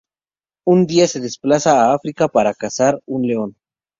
Un día se desplaza a África para cazar un león.